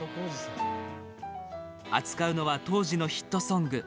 扱うのは、当時のヒットソング。